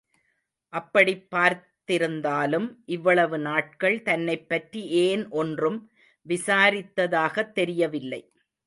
அப்படிப் பார்த்திருந்தாலும் இவ்வளவு நாட்கள் தன்னைப்பற்றி ஏன் ஒன்றும் விசாரித்ததாகத் தெரியவில்லை.